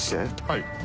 はい。